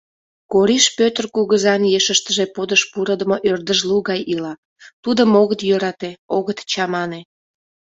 Кориш Пётр кугызан ешыштыже подыш пурыдымо ӧрдыжлу гай ила: тудым огыт йӧрате, огыт чамане.